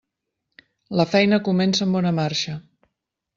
La feina comença amb bona marxa.